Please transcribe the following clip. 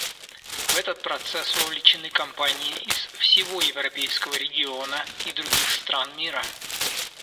В этот процесс вовлечены компании из всего европейского региона и других стран мира.